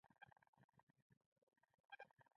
انزایمونه غټې ټوټې په کوچنیو مالیکولونو بدلوي.